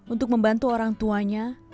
untuk membantu orang tuanya